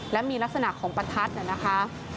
และมีลักษณะของประทัดน่ะนะคะ